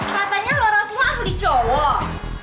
katanya lo rasuah beli cowok